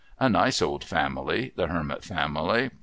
A nice old family, the Hermit family.